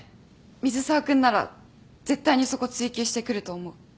水沢君なら絶対にそこ追及してくると思う。